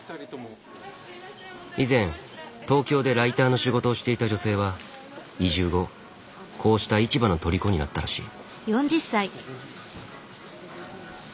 以前東京でライターの仕事をしていた女性は移住後こうした市場のとりこになったらしい。